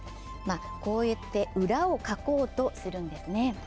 こうやって裏をかこうとするんですね。